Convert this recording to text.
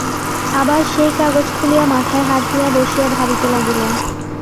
আবার সেই কাগজ খুলিয়া মাথায় হাত দিয়া বসিয়া ভাবিতে লাগিলেন।